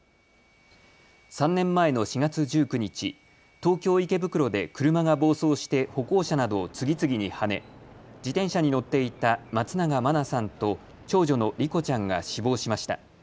３年前の４月１９日、東京池袋で車が暴走して歩行者などを次々にはね自転車に乗っていた松永真菜さんと長女の莉子ちゃんが死亡しました。